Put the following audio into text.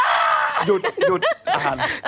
หยุดอ่าน